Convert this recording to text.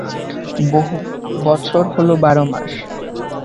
বছর হলো বার মাস।